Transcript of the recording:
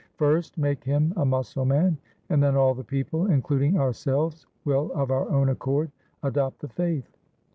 First make him a Musalman and then all the people, including our selves, will of our own accord adopt the faith.'